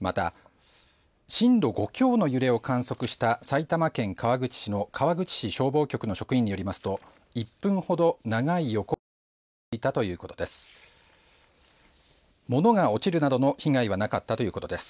また、震度５強の揺れを観測した埼玉県川口市の川口市消防局の職員によりますと１分ほど長い横揺れが続いたということです。